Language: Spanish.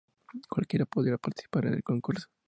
Cualquiera podía participar en el concurso.